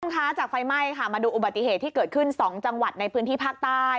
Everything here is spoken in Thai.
ทั้งค้าจากไฟไหม้มาดูอุบัติเหตุที่เกิดขึ้นบริษัทสี่จังหวัดในพื้นที่ภาคใต้